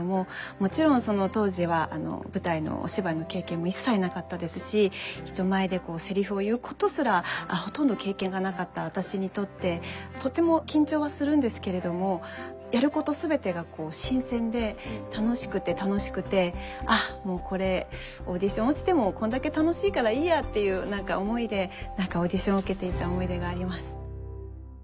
もちろんその当時は舞台のお芝居の経験も一切なかったですし人前でこうセリフを言うことすらほとんど経験がなかった私にとってとても緊張はするんですけれどもやること全てが新鮮で楽しくて楽しくて「あっもうこれオーディション落ちてもこんだけ楽しいからいいや」っていう何か思いでオーディションを受けていた思い出があります。